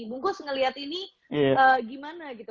bung goseh ngelihat ini gimana gitu